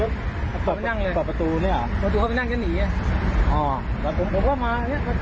แล้วให้เขาเขาจอดอ่าเขาเขาจะก็หนีไงเขาจะให้เขาหยุดครับ